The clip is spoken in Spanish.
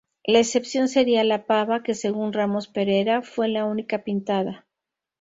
La excepción sería "La Pava", que según Ramos Perera fue la única pintada.